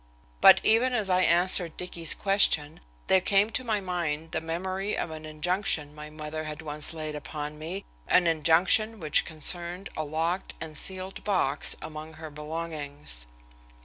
But even as I answered Dicky's question there came to my mind the memory of an injunction my mother had once laid upon me, an injunction which concerned a locked and sealed box among her belongings.